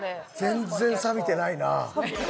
全然さびてないな。